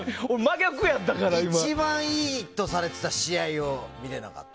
一番いいとされていた試合を俺は見てなかった。